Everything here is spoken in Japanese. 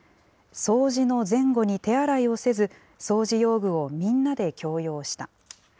掃除の前後に手洗いをせず、掃除用具をみんなで共用した。